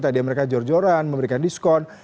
tadi mereka jor joran memberikan diskon